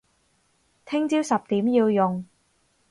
聽朝十點要用